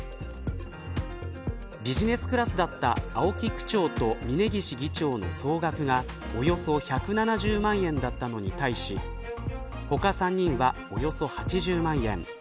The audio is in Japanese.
ビジネスクラスだった青木区長と峯岸議長の総額がおよそ１７０万円だったのに対し他３人は、およそ８０万円